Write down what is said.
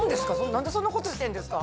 何でそんなことしてんですか？